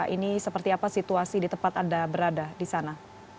ini seperti apa situasi di tempat anda berada di sana